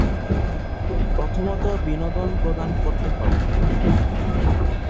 প্রথমত, বিনোদন প্রদান করতে হবে।